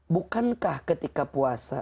bukankah ketika puasa